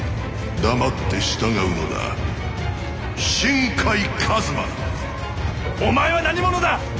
・黙って従うのだ新海一馬！お前は何者だ！